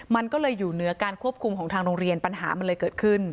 มันก็เลยอยู่เหนือการควบคุมของทางโรงเรียนปัญหามันเลยเกิดขึ้น